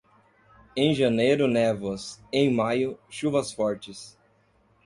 Em janeiro névoas, em maio, chuvas fortes.